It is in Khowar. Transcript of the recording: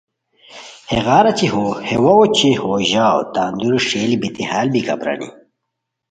ہیغار اچی ہے واؤ اوچے ہو ژاؤ تان دوری ݰیلی بیتی ہال بیکا پرانی